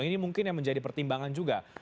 ini mungkin yang menjadi pertimbangan juga